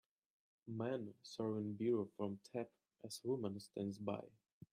Man serving beer from tap as woman stands by.